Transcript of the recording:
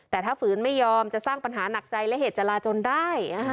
แต่ถ้าฝืนไม่ยอมจะสร้างปัญหาหนักใจและเหตุจราจนได้